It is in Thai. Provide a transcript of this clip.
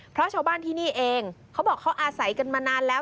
เพราะชาวบ้านที่นี่เองเขาบอกเขาอาศัยกันมานานแล้ว